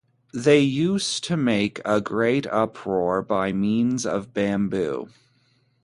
They used to make a great uproar by means of bamboo.